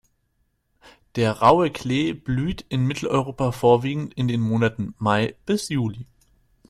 Der Raue Klee blüht in Mitteleuropa vorwiegend in den Monaten Mai bis Juli.